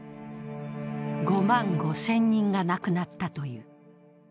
５万５０００人が亡くなったという。